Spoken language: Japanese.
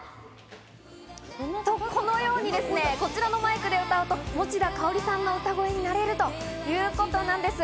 本当、このようにですね、こちらのマイクで歌うと持田香織さんの歌声になれるということなんです。